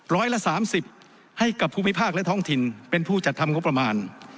ร้อยละ๓๐ให้กับภูมิภาคและท้องถิ่นเป็นผู้จัดทำงบประมาณ